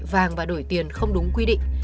vàng và đổi tiền không đúng quy định